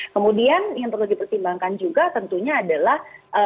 kemudian yang perlu dipertimbangkan juga tentunya adalah